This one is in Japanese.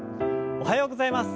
おはようございます。